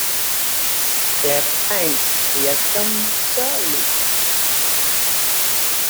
Clap Hands, Here Comes Charlie!